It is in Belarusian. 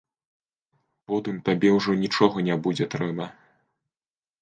Потым табе ўжо нічога не будзе трэба.